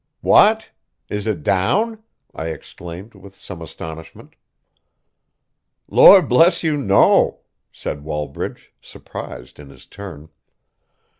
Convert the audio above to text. "What! Is it down?" I exclaimed with some astonishment. "Lord bless you, no!" said Wallbridge, surprised in his turn.